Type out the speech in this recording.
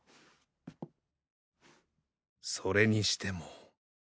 それにしても